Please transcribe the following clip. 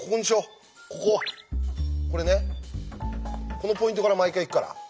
このポイントから毎回いくから。